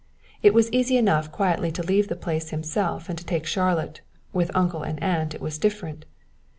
It was easy enough quietly to leave the place himself and to take Charlotte; with Uncle and Aunt it was different.